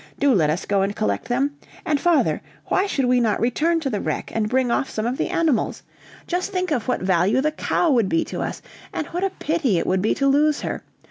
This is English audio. Do let us go and collect them. And, father, why should we not return to the wreck and bring off some of the animals? Just think of what value the cow would be to us, and what a pity it would be to lose her!